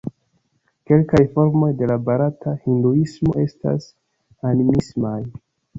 Kelkaj formoj de la barata Hinduismo estas animismaj.